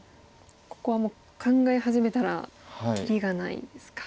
ここはもう考え始めたらきりがないですか。